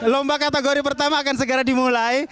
lomba kategori pertama akan segera dimulai